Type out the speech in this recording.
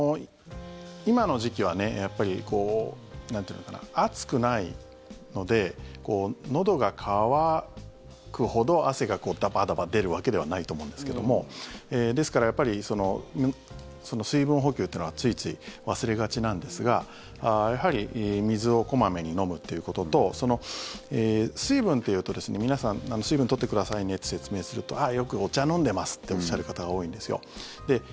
今の時期はやっぱり暑くないのでのどが渇くほど汗がダバダバ出るわけではないと思うんですけどもですからやっぱり水分補給っていうのはついつい忘れがちなんですがやはり水を小まめに飲むっていうことと水分というと皆さん水分取ってくださいねって説明するとよくお茶飲んでますっておっしゃる方が多いんですよ。